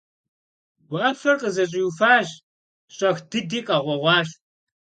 Уафэр къызэщӏиуфащ, щӏэх дыди къэгъуэгъуащ.